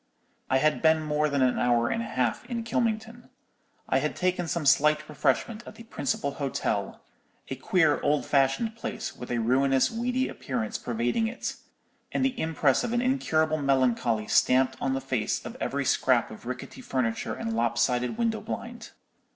"I had been more than an hour and a half in Kylmington. I had taken some slight refreshment at the principal hotel—a queer, old fashioned place, with a ruinous, weedy appearance pervading it, and the impress of incurable melancholy stamped on the face of every scrap of rickety furniture and lopsided window blind.